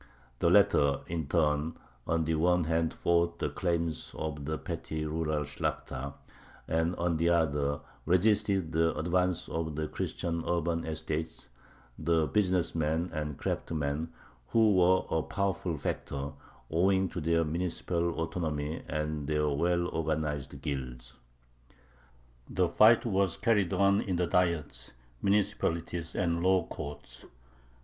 The latter, in turn, on the one hand fought the claims of the petty rural Shlakhta, and on the other resisted the advance of the Christian urban estates, the business men, and craftsmen, who were a powerful factor, owing to their municipal autonomy and their well organized guilds. The fight was carried on in the Diets, municipalities, and law courts.